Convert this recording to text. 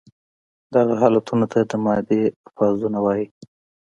دغه حالتونو ته د مادې فازونه وايي.